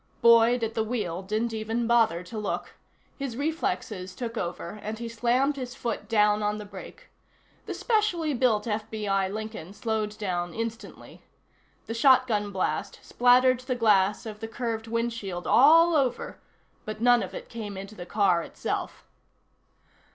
Boyd, at the wheel, didn't even bother to look. His reflexes took over and he slammed his foot down on the brake. The specially built FBI Lincoln slowed down instantly. The shotgun blast splattered the glass of the curved windshield all over but none of it came into the car itself.